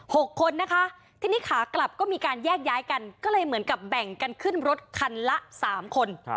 หกคนนะคะทีนี้ขากลับก็มีการแยกย้ายกันก็เลยเหมือนกับแบ่งกันขึ้นรถคันละสามคน